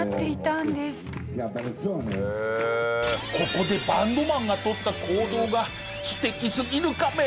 ここでバンドマンがとった行動が素敵すぎるカメ。